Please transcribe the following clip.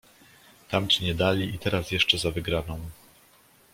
"Tamci nie dali i teraz jeszcze za wygraną."